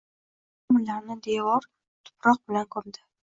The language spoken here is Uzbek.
Chinor tomirlarini devor tuproq bilan ko‘mdi.